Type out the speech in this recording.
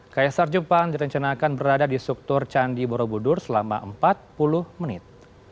kaisar jepang direncanakan berada di struktur candi borobudur selama empat puluh menit